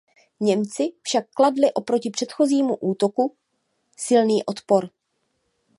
Němci však kladli oproti předchozímu útoku silný odpor.